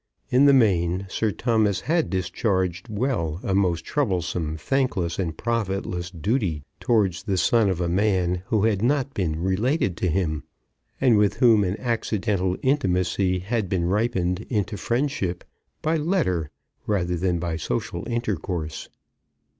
In the main Sir Thomas had discharged well a most troublesome, thankless, and profitless duty towards the son of a man who had not been related to him, and with whom an accidental intimacy had been ripened into friendship by letter rather than by social intercourse.